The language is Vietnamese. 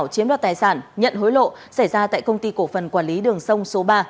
chiếm đoạt tài sản nhận hối lộ xảy ra tại công ty cổ phần quản lý đường sông số ba